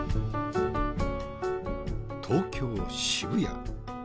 東京・渋谷。